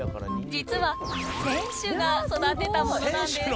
実は選手が育てたものなんです